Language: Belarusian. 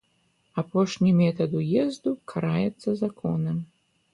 Апошні метад уезду караецца законам.